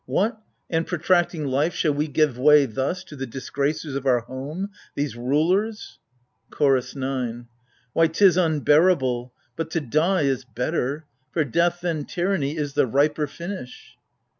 What, and, protracting life, shall we give way thu& To the disgracers of our home, these rulers ? CHORDS 9.. Why, 'tis unbearable : but to die is better : For death than tyranny is the riper finish